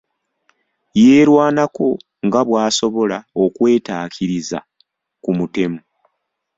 Yeerwanako nga bw'asobola okwetaakiriza ku mutemu.